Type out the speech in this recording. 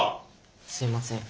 すいません。